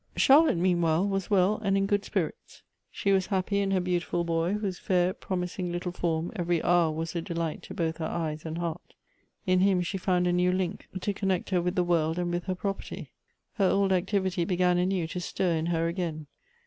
CHARLOTTE meanwhile was well and in good spirits. She was happy in her beautiful boy, whose fair prom ising little form every JMUr was a delight to both her eves and heart. In him she found a new link to connect ' 11 242 Goethe's her with the world and with her property. Her old activity began anew to stir in her again.